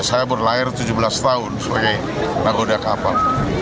saya berlahir tujuh belas tahun sebagai nagoda kapal